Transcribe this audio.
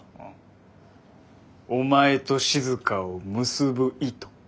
お前と静を結ぶ糸。